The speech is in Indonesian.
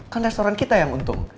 kan restoran kita yang untung